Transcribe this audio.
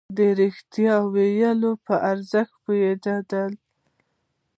د رښتيا ويلو په ارزښت پوهېدل.